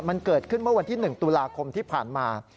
มันเกิดขึ้นเมื่อวันที่๑ตุลาคมที่ผ่านมา